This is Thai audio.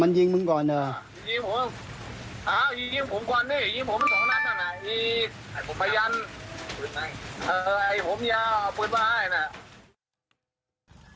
มันยิงมึงกันหน่อยก็อย่ามึงยิมวันอ่ะลุงจี๊ดบ้าง